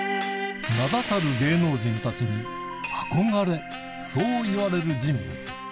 名だたる芸能人たちに、憧れ、そう言われる人物。